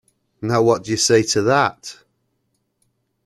Now, what do you say to that?